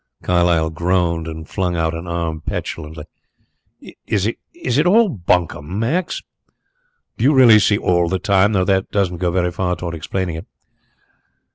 Carlyle groaned and flung out an arm petulantly. "Is it all bunkum, Max? Do you really see all the time though that doesn't go very far towards explaining it."